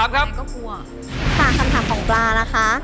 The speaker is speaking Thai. คำถามครับ